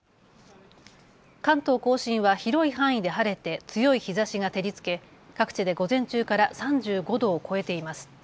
関東甲信は広い範囲で晴れて強い日ざしが照りつけ各地で午前中から３５度を超えています。